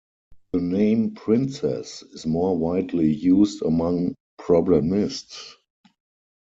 The name princess is more widely used among problemists.